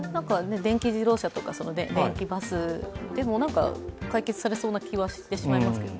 電気自動車とか電気バスでも解決されそうな気はしてしまいますけどね。